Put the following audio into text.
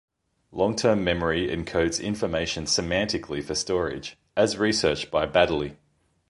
Long-term memory encodes information semantically for storage, as researched by Baddeley.